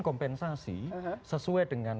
kompensasi sesuai dengan